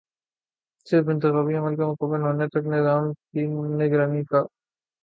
صرف انتخابی عمل کے مکمل ہونے تک نظام کی نگرانی کا